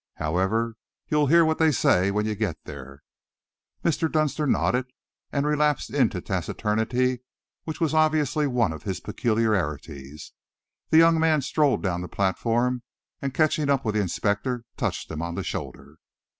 However, you'll hear what they say when you get there." Mr. Dunster nodded and relapsed into a taciturnity which was obviously one of his peculiarities. The young man strolled down the platform, and catching up with the inspector, touched him on the shoulder.